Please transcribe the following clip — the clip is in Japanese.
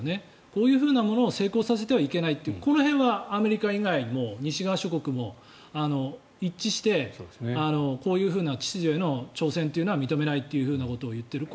こういうものを成功させてはいけないというこの辺はアメリカ以外も、西側諸国も一致してこういう秩序への挑戦というのは認めないというふうなことを言っている。